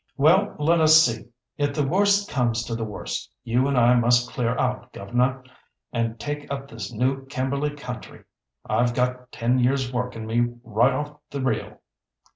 "Well, let us see! if the worst comes to the worst, you and I must clear out, governor, and take up this new Kimberley country. I've got ten years' work in me right off the reel."